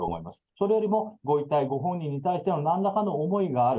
それよりも、ご遺体ご本人に対してのなんらかの思いがある。